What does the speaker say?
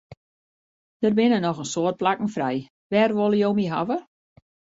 Der binne noch in soad plakken frij, wêr wolle jo my hawwe?